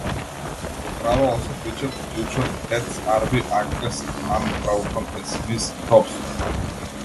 The drama also featured future "Dad's Army" actress Nan Braunton as Miss Dobson.